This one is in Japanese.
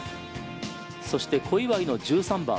そして、小祝の１３番。